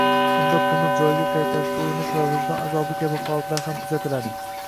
unda pulni joyiga qaytarishga urinish va vijdon azobi kabi holatlar ham kuzatiladi.